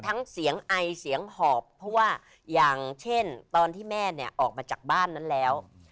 ทั้งเสียงไอเสียงหอบเพราะว่าอย่างเช่นตอนที่แม่เนี่ยออกมาจากบ้านนั้นแล้ว